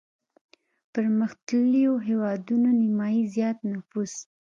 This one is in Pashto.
پرمختلليو هېوادونو نيمايي زيات نفوس